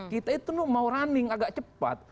kita itu mau running agak cepat